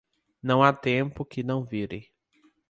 Não há tempo que não vire.